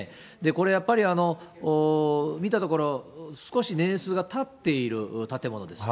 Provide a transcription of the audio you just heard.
これやっぱり、見たところ、少し年数がたっている建物です。